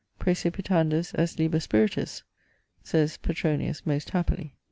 Praecipitandus est liber spiritus, says Petronius most happily.